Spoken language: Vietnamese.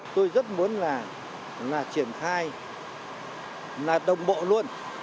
tôi rất muốn là triển khai là đồng bộ luôn